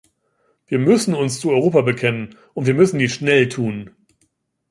Wir müssen uns zu Europa bekennen, und wir müssen dies schnell tun.